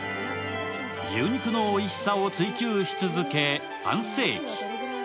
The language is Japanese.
牛肉のおいしさを追求し続け半世紀。